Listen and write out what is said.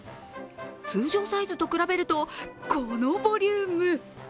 通常サイズと比べるとこのボリューム。